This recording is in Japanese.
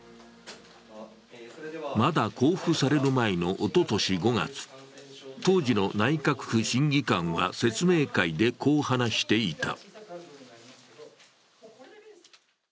まだ交付される前のおととし５月、当時の内閣府審議官は説明会でこう話していた。